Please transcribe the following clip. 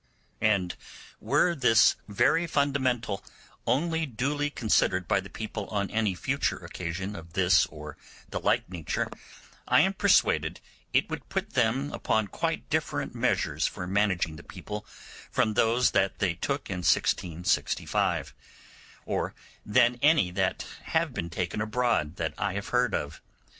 And were this very fundamental only duly considered by the people on any future occasion of this or the like nature, I am persuaded it would put them upon quite different measures for managing the people from those that they took in 1665, or than any that have been taken abroad that I have heard of.